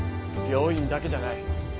病院だけじゃない。